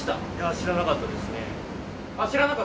知らなかったですか？